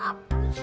hmm dasar kurang